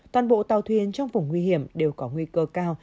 toàn bộ tàu thuyền trong vùng nguy hiểm đều có nguy cơ cao